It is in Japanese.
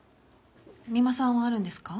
三馬さんはあるんですか？